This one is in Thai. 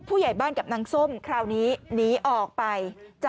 ผู้ใหญ่บ้านกับนางส้มคราวนี้หนีออกไป